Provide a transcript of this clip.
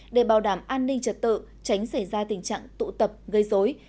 để bảo đảm an ninh trật tự tránh xảy ra tình trạng tụ tập gây dối